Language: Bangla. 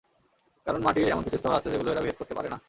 কারণ মাটির এমন কিছু স্তর আছে যেগুলো এরা ভেদ করতে পারে না।